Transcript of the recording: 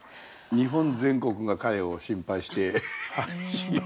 日本全国が彼を心配していますね。